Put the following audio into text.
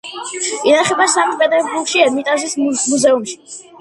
ინახება სანქტ-პეტერბურგში, ერმიტაჟის მუზეუმში.